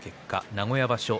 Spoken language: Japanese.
名古屋場所